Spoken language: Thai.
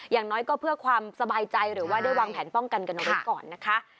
อย่างน้อยก็เพื่อความสบายใจหรือว่าได้วางแผนป้องกันกันเอาไว้ก่อนนะคะ